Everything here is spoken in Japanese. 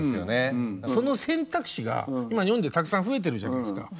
その選択肢が今日本ではたくさん増えてるじゃないですか。